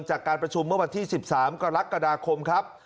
จากการประชุมเมื่อวันที่๑๓กรกฎาคมครับ